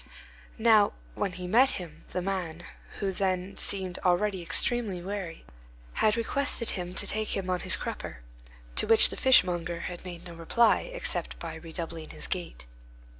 Now, when he met him, the man, who then seemed already extremely weary, had requested him to take him on his crupper; to which the fishmonger had made no reply except by redoubling his gait.